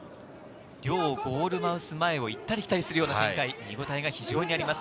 両ゴールマウス前を行ったり来たりすような展開、見ごたえがあります。